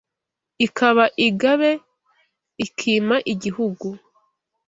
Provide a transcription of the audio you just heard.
ikaba “Ingabe” ikima igihugu,